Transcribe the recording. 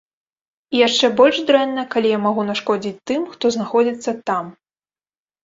І яшчэ больш дрэнна, калі я магу нашкодзіць тым, хто знаходзіцца там.